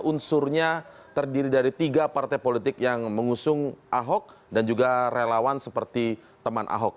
unsurnya terdiri dari tiga partai politik yang mengusung ahok dan juga relawan seperti teman ahok